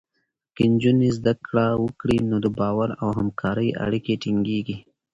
که نجونې زده کړه وکړي، نو د باور او همکارۍ اړیکې ټینګېږي.